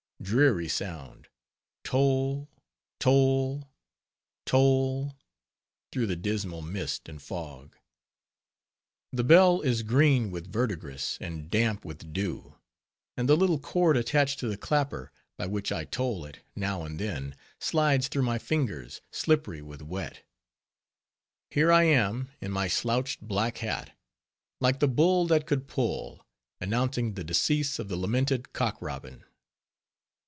Dreary sound! toll, toll, toll, through the dismal mist and fog. The bell is green with verdigris, and damp with dew; and the little cord attached to the clapper, by which I toll it, now and then slides through my fingers, slippery with wet. Here I am, in my slouched black hat, like the "bull that could pull," announcing the decease of the lamented Cock Robin.